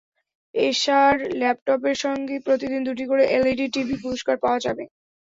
এসার ল্যাপটপের সঙ্গে প্রতিদিন দুটি করে এলইডি টিভি পুরস্কার পাওয়া যাবে।